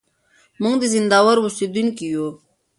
موږ د زينداور اوسېدونکي يو.